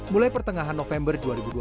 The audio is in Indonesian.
mulai pertengahan november dua ribu dua puluh